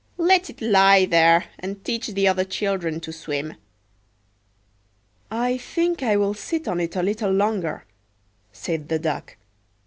Let it lie there, and teach the other children to swim.""I think I will sit on it a little longer," said the Duck.